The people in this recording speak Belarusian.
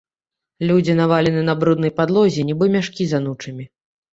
Людзі навалены на бруднай падлозе, нібы мяшкі з анучамі.